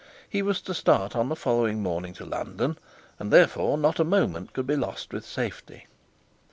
He was to start on the following morning to London, and therefore not a moment could be lost with safety.